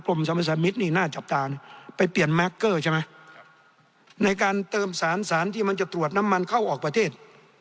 สัมภาษามิตรนี่น่าจับตาไปเปลี่ยนแมคเกอร์ใช่ไหมในการเติมสารสารที่มันจะตรวจน้ำมันเข้าออกประเทศ